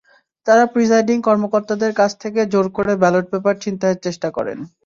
তাঁরা প্রিসাইডিং কর্মকর্তাদের কাছ থেকে জোর করে ব্যালট পেপার ছিনতাইয়ের চেষ্টা করেন।